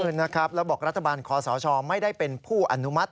นะครับแล้วบอกรัฐบาลคอสชไม่ได้เป็นผู้อนุมัติ